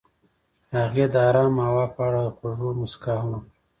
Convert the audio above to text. هغې د آرام هوا په اړه خوږه موسکا هم وکړه.